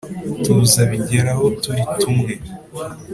tuza bijyeraho turi tumwe